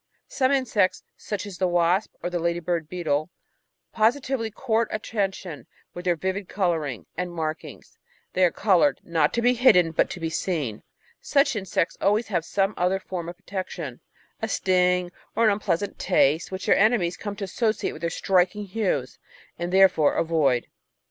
Some insects, such as the Wasp or the Lady Bird beetle, positively court attention with their vivid colouring and markings; they are coloured, not to be hidden, but to be seen. Such insects always have some other form of protection, a sting or an unpleasant taste, which their enemies come to associate with their striking hues and therefore avoid.